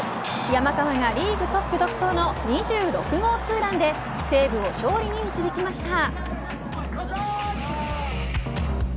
山川がリーグトップ独走の２６号２ランで西武を勝利に導きました。